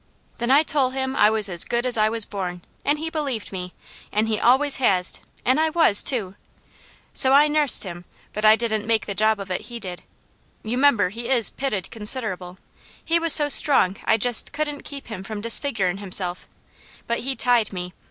Then I tole him I was as good as I was born, an' he believed me, an' he always has, an' I was too! So I nussed him, but I didn't make the job of it he did. You 'member he is pitted considerable. He was so strong I jest couldn't keep him from disfigerin' himself, but he tied me.